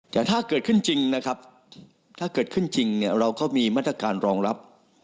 แต่ถ้าเกิดขึ้นจริงนะครับถ้าเกิดขึ้นจริงเนี่ยเราก็มีมาตรการรองรับ